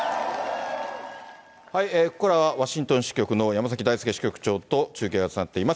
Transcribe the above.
ここからはワシントン支局の山崎大輔支局長と中継がつながっています。